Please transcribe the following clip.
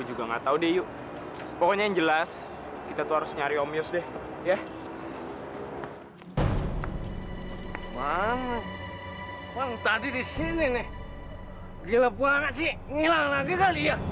jauhkanlah dia dari bahaya ya allah